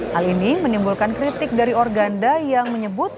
hal ini menimbulkan kritik dari organda yang menyebut